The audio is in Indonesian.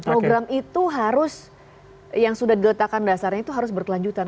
program itu harus yang sudah diletakkan dasarnya itu harus berkelanjutan